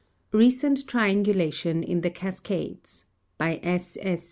RECENT TRIANGULATION IN THE CASCADES By S. S.